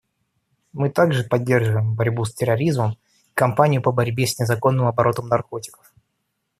Мы также поддерживаем борьбу с терроризмом и кампанию по борьбе с незаконным оборотом наркотиков.